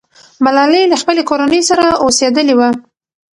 ملالۍ له خپلې کورنۍ سره اوسېدلې وه.